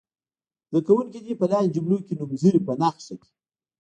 زده کوونکي دې په لاندې جملو کې نومځري په نښه کړي.